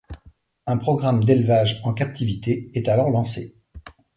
Un programme d'élevage en captivité est alors lancé.